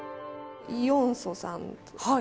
イ・ヨンソさん。